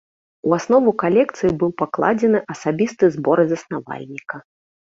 У аснову калекцыі быў пакладзена асабісты збор заснавальніка.